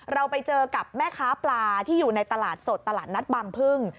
เราไปเจอกับแม่ค้าปลาที่อยู่ในตลาดสดตลาดนัดบางพึ่ง